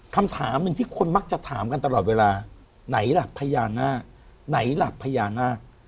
คำถามหนึ่งที่คนมักจะถามกันตลอดเวลาไหนล่ะพญานาคไหนล่ะพญานาค